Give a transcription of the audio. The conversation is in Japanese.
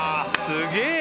すげえ。